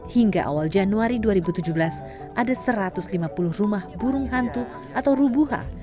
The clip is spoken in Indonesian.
hingga awal januari dua ribu tujuh belas ada satu ratus lima puluh rumah burung hantu atau rubuha